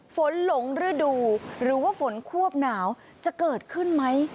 หลงฤดูหรือว่าฝนควบหนาวจะเกิดขึ้นไหม